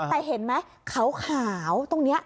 แต่เห็นไหมขาวตรงนี้